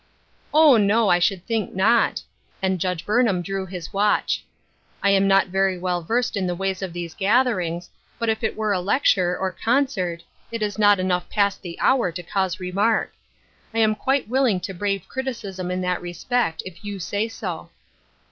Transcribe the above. " Oh, no, I should think not," and Judge Burnham drew his watch. " I am not very well versed in the ways of these gatherings, but if it were a lecture, or concert, it is not enough past the hour to cause remark. I am quite williiig to brave criticism in that respect, if you say so."